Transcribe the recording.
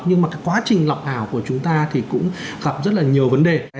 nhưng mà cái quá trình lọc ảo của chúng ta thì cũng gặp rất là nhiều vấn đề